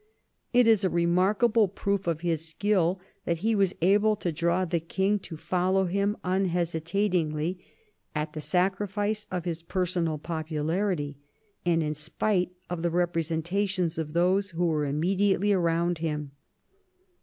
It is a remarkable proof of his skill that he was able to draw the king to follow him unhesitat ingly, at the sacrifice of his personal popularity, and in spite of the representations of those who were immedi ately around him.